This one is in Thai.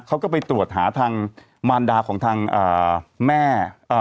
เขาก็ไปตรวจหาทางมานดาของทางแม่